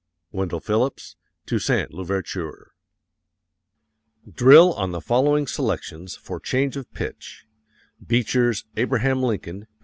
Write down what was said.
_ Wendell Phillips, Toussaint l'Ouverture. Drill on the following selections for change of pitch: Beecher's "Abraham Lincoln," p.